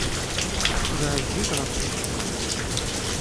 Sebɛed zzit ɣef tmes.